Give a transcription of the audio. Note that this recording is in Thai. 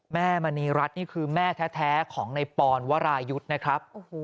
มณีรัฐนี่คือแม่แท้ของในปอนวรายุทธ์นะครับ